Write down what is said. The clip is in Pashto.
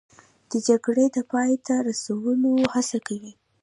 د جګړې د پای ته رسولو هڅه کوي